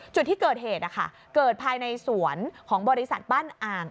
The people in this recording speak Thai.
จุดที่เกิดเหตุเกิดภายในสวนของบริษัทบ้านอ่าง